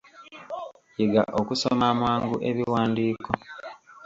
Yiga okusoma amangu ebiwandiiko.